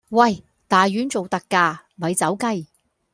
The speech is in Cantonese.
喂！大丸做特價，咪走雞